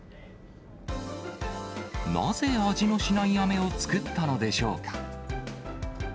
なぜ、味のしないあめを作ったのでしょうか。